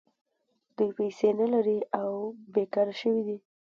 دوی پیسې نلري او بېکاره شوي دي